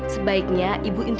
sebaiknya ibu ingin tahu